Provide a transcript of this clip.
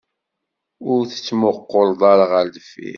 Ur tettmuqquleḍ ara ɣer deffir.